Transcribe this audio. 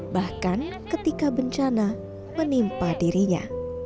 bahkan ketika bencana menimpa dirinya